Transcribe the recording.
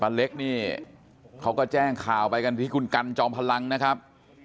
เล็กนี่เขาก็แจ้งข่าวไปกันที่คุณกันจอมพลังนะครับ